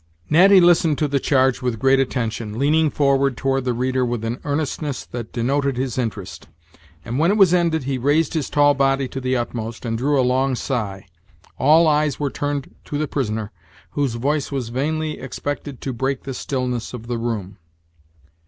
Natty listened to the charge with great attention, leaning forward toward the reader with an earnestness that denoted his interest; and, when it was ended, he raised his tall body to the utmost, and drew a long sigh. All eyes were turned to the prisoner, whose voice was vainly expected to break the stillness of the room.